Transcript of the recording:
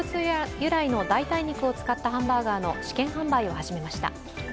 由来の代替肉を使ったハンバーガーの試験販売を始めました。